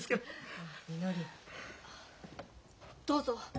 どうぞ。